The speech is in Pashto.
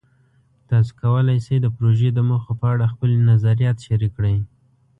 تاسو کولی شئ د پروژې د موخو په اړه خپلې نظریات شریک کړئ.